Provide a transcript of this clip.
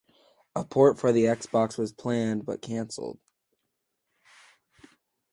A port for the Xbox was planned, but cancelled.